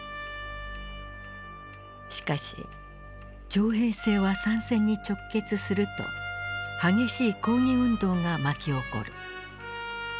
しかし徴兵制は参戦に直結すると激しい抗議運動が巻き起こる。